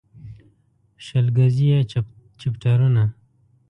شل ګزي يې چپټرونه